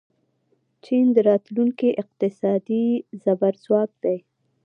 چین د راتلونکي اقتصادي زبرځواک دی.